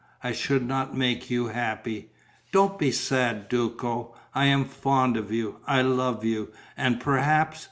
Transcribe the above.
I should not make you happy.... Don't be sad, Duco. I am fond of you, I love you. And perhaps